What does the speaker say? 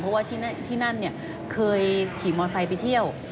เพราะว่าที่นั่นเนี่ยเคยขี่มอไซค์ไปเที่ยว